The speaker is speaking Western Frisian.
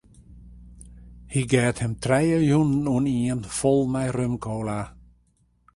Hy geat him trije jûnen oanien fol mei rum-kola.